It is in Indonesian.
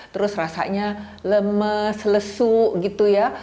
terus rasanya lemes lesu gitu ya